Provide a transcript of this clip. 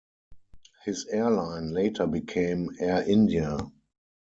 His airline later became Air India.